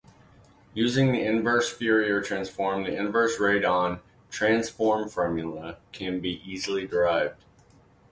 Using the inverse Fourier transform, the inverse Radon transform formula can be easily derived.